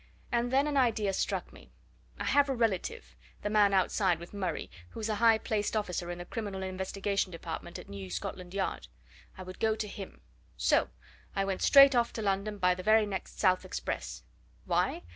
And then an idea struck me: I have a relative the man outside with Murray who's a high placed officer in the Criminal Investigation Department at New Scotland Yard I would go to him. So I went straight off to London by the very next South express. Why?